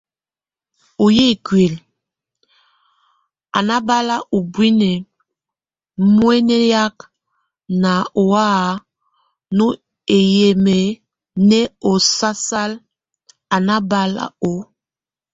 O yʼ íkulik, a nábal úbine muɛ́ŋɛŋak nʼ ohɔ́ nʼ uyeme nʼ osasal a nábal ó.